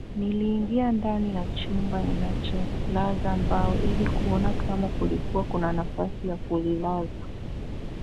Niliingia ndani ya chumba ninacholaza mbao ili kuona kama kulikuwa kuna nafasi ya kulilaza